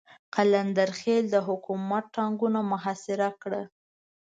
قلندر خېل د حکومت ټانګونو محاصره کړ.